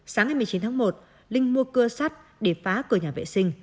sáng ngày một mươi chín tháng một linh mua cưa sắt để phá cửa nhà vệ sinh